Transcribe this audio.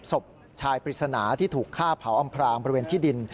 ศพชายปริศนาที่ถูกฆ่าเผาอำพรางบริเวณที่ดิน